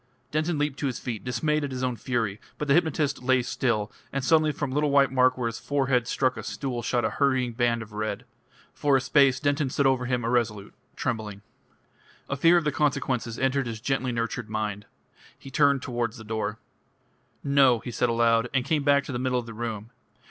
Denton leaped to his feet, dismayed at his own fury; but the hypnotist lay still, and suddenly from a little white mark where his forehead had struck a stool shot a hurrying band of red. For a space Denton stood over him irresolute, trembling. A fear of the consequences entered his gently nurtured mind. He turned towards the door. "No," he said aloud, and came back to the middle of the room.